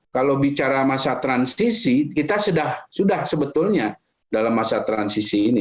kalau bicara masa transisi kita sudah sebetulnya dalam masa transisi ini